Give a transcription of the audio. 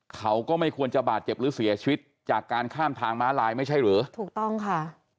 เขาก็ไม่ควรจะบาดเจ็บหรือเสียชีวิตจากการข้ามทางม้าลายไม่ใช่หรือถูกต้องค่ะ